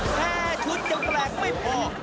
แค่ชุดยังแปลกไม่พอ